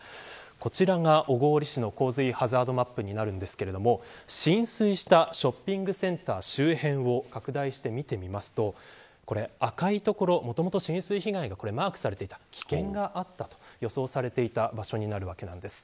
こちらは小郡市の洪水ハザードマップですが浸水したショッピングセンター周辺を拡大して見てみますと赤い所、もともと浸水被害がマークされていた危険があったと予想されていた場所です。